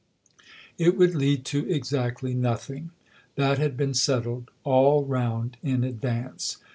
It would lead to exactly nothing that had been settled all round in advance.